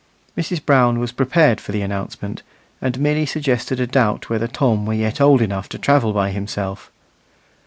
Mrs. Brown was prepared for the announcement, and merely suggested a doubt whether Tom were yet old enough to travel by himself.